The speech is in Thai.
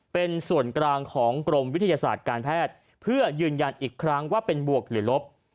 เป็นส่วนกลางของกรมวิทยาศาสตร์การแพทย์เพื่อยืนยันอีกครั้งว่าเป็นบวกหรือลบ